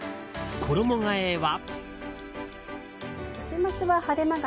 衣替えは？